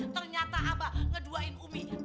ternyata abah ngeduain umi